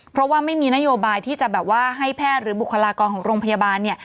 เพราะว่าไม่มีนโยบายที่จะแบบว่าให้แพทย์หรือบุคลากรของโรงพยาบาลเนี่ย